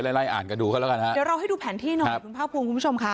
เดี๋ยวเราให้ดูแผนที่หน่อยคุณภาคภูมิคุณผู้ชมค่ะ